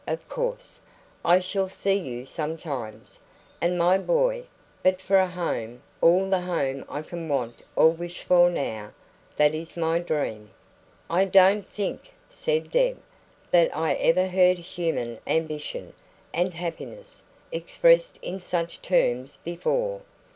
Of course, I shall see you sometimes and my boy; but for a home all the home I can want or wish for now that is my dream." "I don't think," said Deb, "that I ever heard human ambition and happiness expressed in such terms before."